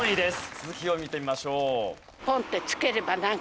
続きを見てみましょう。